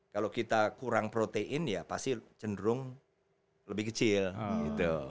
kalau kita kurang protein ya pasti cenderung lebih kecil gitu